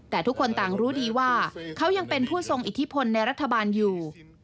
แต่ทุกคนต่างรู้ดีว่าเขายังเป็นผู้ทรงอิทธิพลในรัฐบาลอยู่